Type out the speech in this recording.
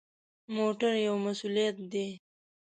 موټر یو مسؤلیت دی.